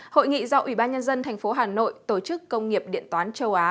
hội nghị do ủy ban nhân dân thành phố hà nội tổ chức công nghiệp điện toán châu á